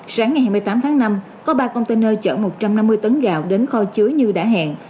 sáng ngày hai mươi tám tháng năm có ba container chở một trăm năm mươi tấn gạo đến kho chứa như đã hẹn